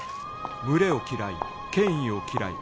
群れを嫌い権威を嫌い